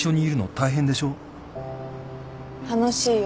楽しいよ。